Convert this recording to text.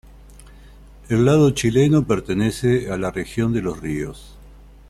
El lado chileno pertenece a la Región de Los Ríos.